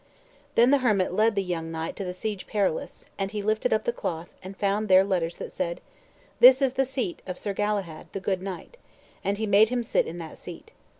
Then the hermit led the young knight to the Siege Perilous; and he lifted up the cloth, and found there letters that said, "This is the seat of Sir Galahad, the good knight;" and he made him sit in that seat.